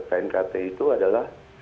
knkt itu adalah